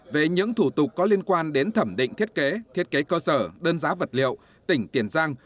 về những thủ tục có liên quan đến thẩm định thiết kế thiết kế cơ sở đơn giá vật liệu tỉnh tiền giang